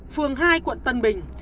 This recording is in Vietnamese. phường hai quận tân bình